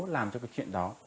làm cho cái chuyện đó